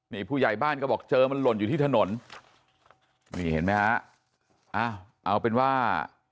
นี่ผู้ใหญ่บ้านก็บอกเจอมันหล่นอยู่ที่ถนนนี่เห็นไหมฮะอ้าวเอาเป็นว่า